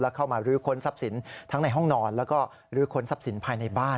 เข้ามารื้อค้นทรัพย์สินทั้งในห้องนอนแล้วก็ลื้อค้นทรัพย์สินภายในบ้าน